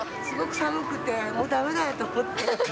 すごく寒くて、もうだめだと思って。